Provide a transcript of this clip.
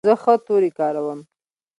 زه ښه توري کاروم.